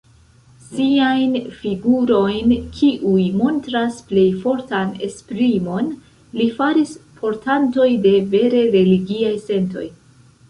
Siajn figurojn, kiuj montras plej fortan esprimon, li faris portantoj de vere religiaj sentoj.